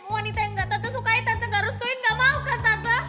wanita yang gak tante sukai tante gak harus tuhin gak mau kan tante